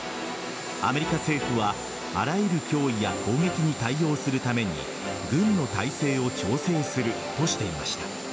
アメリカ政府はあらゆる脅威や攻撃に対応するために軍の態勢を調整するとしていました。